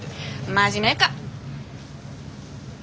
真面目か！